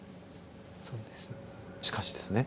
そうですね。